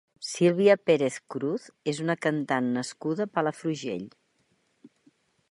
Sílvia Pérez Cruz és una cantant nascuda a Palafrugell.